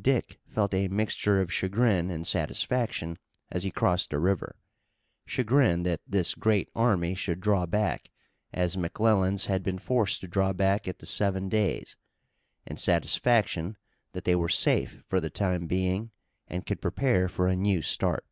Dick felt a mixture of chagrin and satisfaction as he crossed the river, chagrin that this great army should draw back, as McClellan's had been forced to draw back at the Seven Days, and satisfaction that they were safe for the time being and could prepare for a new start.